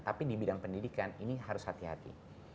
tapi di bidang pendidikan ini harus hati hati